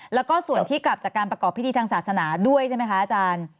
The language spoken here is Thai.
แล้วก็ส่วนที่กลับจากการประกอบพิธีทางศาสนาด้วยใช่ไหมคะอาจารย์